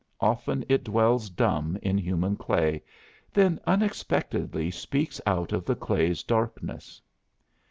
Often it dwells dumb in human clay, then unexpectedly speaks out of the clay's darkness.